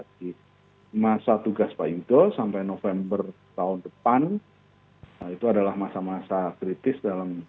di masa tugas pak yudho sampai november tahun depan itu adalah masa masa kritis dalam